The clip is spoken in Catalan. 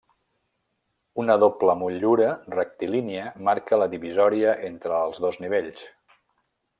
Una doble motllura rectilínia marca la divisòria entre els dos nivells.